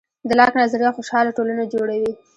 د لاک نظریه خوشحاله ټولنه جوړوي.